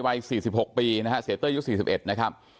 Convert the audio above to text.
วัย๔๖ปีนะฮะเศรษฐ์เต้ยยุค๔๑นะครับ